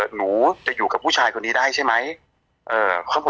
หนูจะอยู่กับผู้ชายคนนี้ได้ใช่ไหม